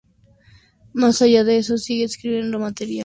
Más allá de eso, sigue escribiendo material para Aura Noir y Virus.